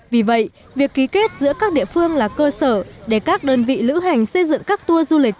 vì vậy việc ký kết giữa các địa phương là cơ sở để các đơn vị lữ hành xây dựng các tour du lịch